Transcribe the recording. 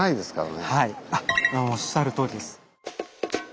おっしゃるとおりです。